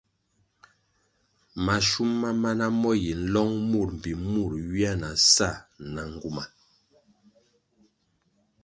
Mashum ma mana mo yi nlong mur mbpi mur ywia na sa na nguma.